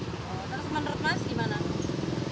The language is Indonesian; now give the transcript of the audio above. terus menurut mas gimana